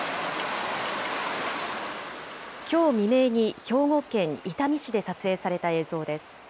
きょう未明に兵庫県伊丹市で撮影された映像です。